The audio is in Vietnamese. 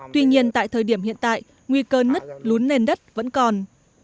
tuy nhiên tại thời điểm hiện tại nguy cơ nứt lún nền đất vẫn còn